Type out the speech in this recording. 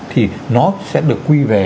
thì nó sẽ được quy về